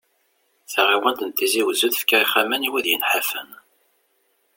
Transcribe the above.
Taɣiwant n Tizi wezzu tefka ixxamen i wid yenḥafen.